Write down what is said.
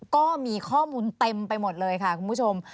ก็มีข้อมูลเต็มไปหมดเลยค่ะคุณผู้ชม